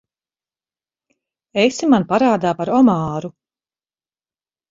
Esi man parādā par omāru.